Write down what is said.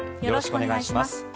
よろしくお願いします。